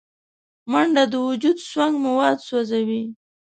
منډه د وجود سونګ مواد سوځوي